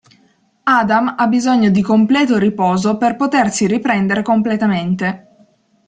Adam ha bisogno di completo riposo per potersi riprendere completamente.